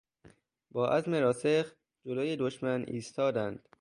با عزم راسخ جلوی دشمن ایستادند.